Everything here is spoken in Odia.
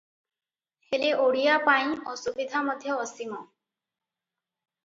ହେଲେ ଓଡ଼ିଆ ପାଇଁ ଅସୁବିଧା ମଧ୍ୟ ଅସୀମ ।